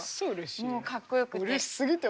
もうかっこよくて。